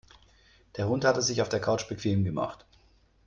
Der Hund hat es sich auf der Couch bequem gemacht.